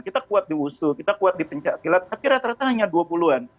kita kuat di wushu kita kuat di pencak silat tapi rata rata hanya dua puluh an